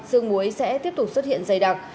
sương muối sẽ tiếp tục xuất hiện dày đặc